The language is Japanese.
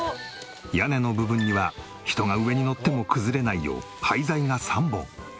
屋根の部分には人が上にのっても崩れないよう廃材が３本。